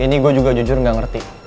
ini gue juga jujur gak ngerti